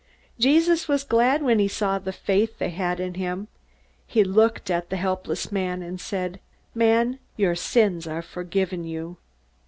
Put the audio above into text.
Jesus was glad when he saw the faith they had in him. He looked at the helpless man, and said, "Man, your sins are forgiven you."